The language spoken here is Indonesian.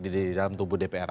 di dalam tubuh dpr